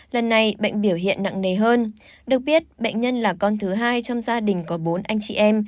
lần này bệnh biểu hiện nặng nề hơn được biết bệnh nhân là con thứ hai trong gia đình có bốn anh chị em